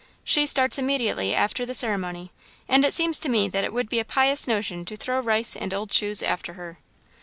She starts immediately after the ceremony and it seems to me that it would be a pious notion to throw rice and old shoes after her."